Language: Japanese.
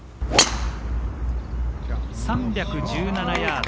３１７ヤード。